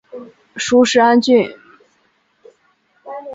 属始安郡。